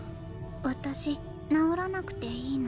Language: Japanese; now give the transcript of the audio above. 私治らなくていいの。